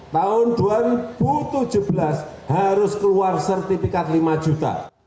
tahun dua ribu tujuh belas harus keluar sertifikat lima juta